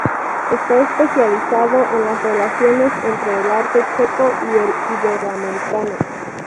Está especializado en las relaciones entre el arte checo y el iberoamericano.